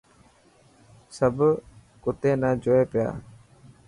سڀ ڪوتي نا جوئي پيا.